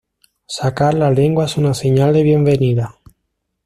Sacar la lengua es una señal de bienvenida.